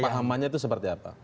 kesepahamannya itu seperti apa